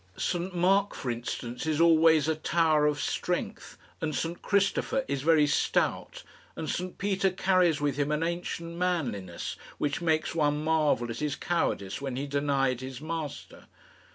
St Mark, for instance, is always a tower of strength, and St Christopher is very stout, and St Peter carries with him an ancient manliness which makes one marvel at his cowardice when he denied his Master.